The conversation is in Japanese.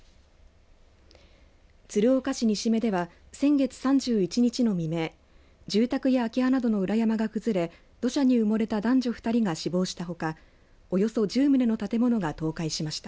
鶴岡市西目では先月３１日の未明住宅や空き家などの裏山が崩れ土砂に埋もれた男女２人が死亡したほかおよそ１０棟の建物が倒壊しました。